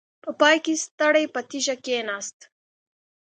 په پای کې ستړې په تيږه کېناسته.